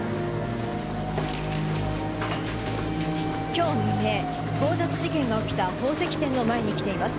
今日未明強奪事件が起きた宝石店の前に来ています。